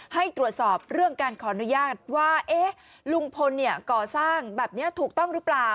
ให้ตรวจสอบเรื่องการขออนุญาตว่าลุงพลก่อสร้างแบบนี้ถูกต้องหรือเปล่า